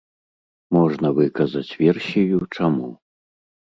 Можна выказаць версію, чаму.